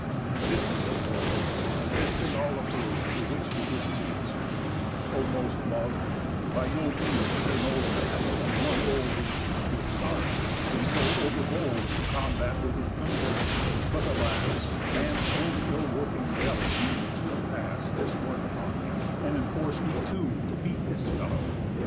This he propos'd; and this they all approv'd, To which Ulysses answer'd: "O most lov'd, By no means should an old man, and one old In chief with sorrows, be so over bold To combat with his younger; but, alas, Man's own ill working belly needs will pass This work upon me, and enforce me, too, To beat this fellow.